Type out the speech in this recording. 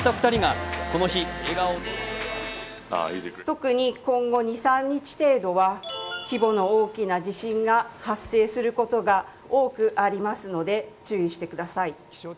特に今後２３日程度は規模の大きな自信が発生することが多くありますので注意してください。